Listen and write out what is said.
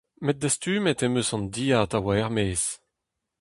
Met dastumet em eus an dilhad a oa er-maez.